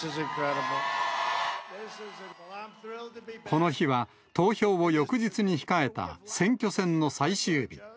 この日は投票を翌日に控えた選挙戦の最終日。